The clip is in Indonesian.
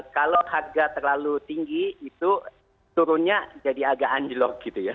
kalau harga terlalu tinggi itu turunnya jadi agak anjlok gitu ya